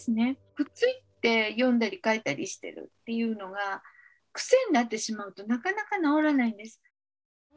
くっついて読んだり書いたりしてるっていうのが癖になってしまうとなかなか治らないんです。